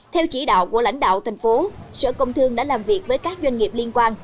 theo chỉ đạo của lãnh đạo thành phố sở công thương đã làm việc với các doanh nghiệp liên quan